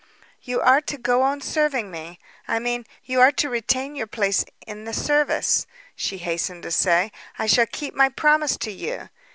"You are to go on serving me I mean you are to retain your place in the service," she hastened to say. "I shall keep my promise to you."